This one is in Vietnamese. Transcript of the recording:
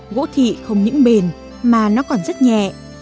gỗ thị không những bền mà nó còn rất nhẹ